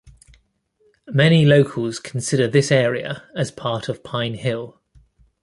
Many locals consider this area as part of Pine Hill.